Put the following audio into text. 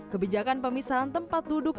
kebijakan pemisahan tempat duduk